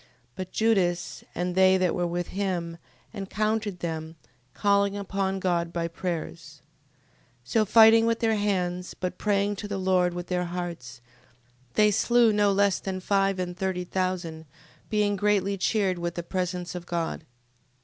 15:26. But Judas, and they that were with him, encountered them, calling upon God by prayers: 15:27. So fighting with their hands, but praying to the Lord with their hearts, they slew no less than five and thirty thousand, being greatly cheered with the presence of God.